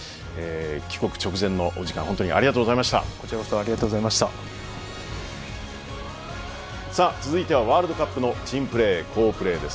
帰国直前のお時間、本当にこちらこそさあ続いてはワールドカップの珍プレー、好プレーです。